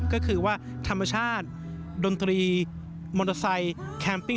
ก็คือว่าธรรมชาติดนตรีมอเตอร์ไซค์แคมปิ้ง